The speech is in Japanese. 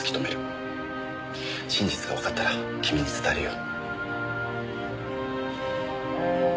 真実がわかったら君に伝えるよ。